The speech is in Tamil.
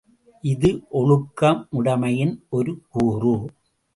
இது ஒழுக்கமுடைமையின் ஒரு கூறு.